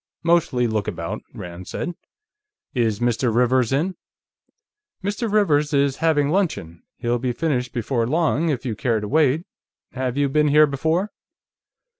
"Mostly look about," Rand said. "Is Mr. Rivers in?" "Mr. Rivers is having luncheon. He'll be finished before long, if you care to wait.... Have you ever been here before?"